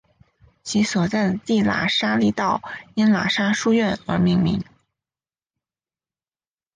其所在地喇沙利道因喇沙书院而命名。